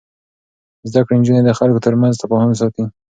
زده کړې نجونې د خلکو ترمنځ تفاهم ساتي.